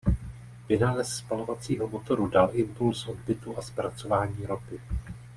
Vynález spalovacího motoru dal impuls odbytu a zpracování ropy.